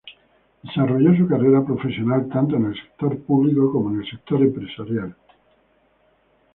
Desarrolló su carrera profesional tanto en el Sector Público, como en el sector empresarial.